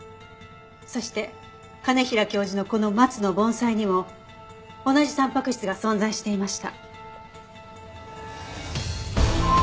そして兼平教授のこのマツの盆栽にも同じたんぱく質が存在していました。